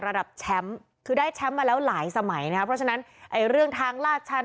ระดับแชมป์คือได้เมื่อแล้วหลายสมัยนะผมทั้งหลังลาดชัน